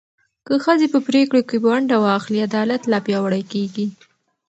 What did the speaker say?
که ښځې په پرېکړو کې ونډه واخلي، عدالت لا پیاوړی کېږي.